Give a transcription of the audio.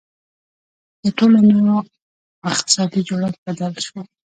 • د ټولنو اقتصادي جوړښت بدل شو.